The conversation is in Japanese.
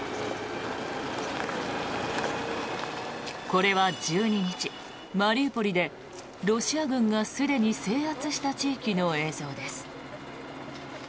これは、１２日マリウポリでロシア軍がすでに制圧した地域の映像です。